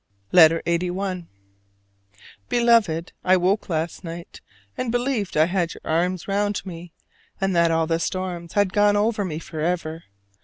LETTER LXXXI. Beloved: I woke last night and believed I had your arms round me, and that all storms had gone over me forever.